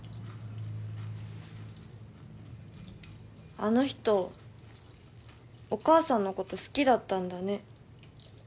あの人お母さんのこと好きだったんだね。